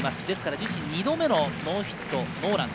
自身２度目のノーヒットノーラン。